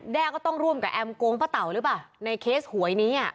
ก็ต้องร่วมกับแอมโกงป้าเต่าหรือเปล่าในเคสหวยนี้อ่ะ